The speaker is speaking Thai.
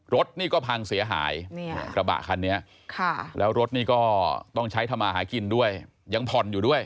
รถนี่ก็พังเสียหายกระบะคันนี้แล้วรถนี่ก็ต้องใช้ทำมาหากินด้วยยังผ่อนอยู่ด้วย